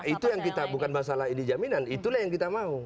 itu yang kita bukan masalah ini jaminan itulah yang kita mau